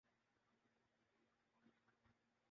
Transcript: لاہور پہ سب کچھ لٹانے کے باوجود ن لیگ کو کیا ملا؟